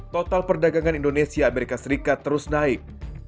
total perdagangan indonesia amerika serikat terus naik